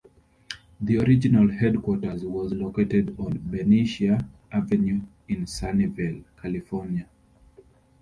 The original headquarters was located on Benicia Avenue in Sunnyvale, California.